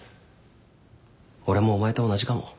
俺もお前と同じかも。